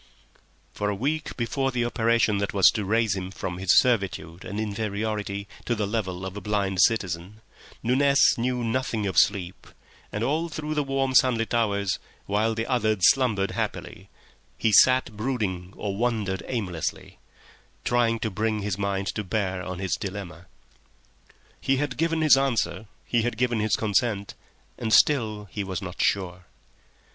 For a week before the operation that was to raise him from his servitude and inferiority to the level of a blind citizen Nunez knew nothing of sleep, and all through the warm, sunlit hours, while the others slumbered happily, he sat brooding or wandered aimlessly, trying to bring his mind to bear on his dilemma. He had given his answer, he had given his consent, and still he was not sure.